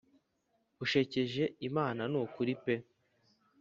ushekeje imana nukuri pe